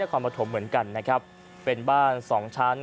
คอมปฐมเหมือนกันนะครับเป็นบ้านสองชั้น